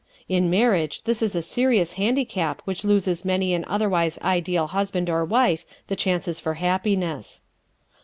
In marriage this is a serious handicap which loses many an otherwise ideal husband or wife the chance for happiness.